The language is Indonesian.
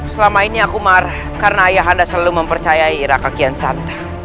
selama ini aku marah karena ayahanda selalu mempercayai raka kiansanta